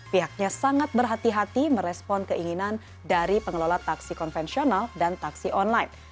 pihaknya sangat berhati hati merespon keinginan dari pengelola taksi konvensional dan taksi online